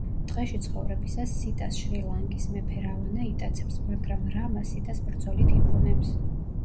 ტყეში ცხოვრებისას სიტას შრი-ლანკის მეფე რავანა იტაცებს, მაგრამ რამა სიტას ბრძოლით იბრუნებს.